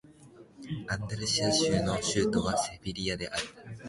アンダルシア州の州都はセビリアである